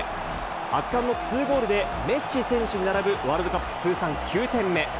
圧巻の２ゴールで、メッシ選手に並ぶ、ワールドカップ通算９点目。